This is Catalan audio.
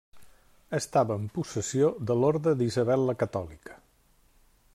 Estava en possessió de l'Orde d'Isabel la Catòlica.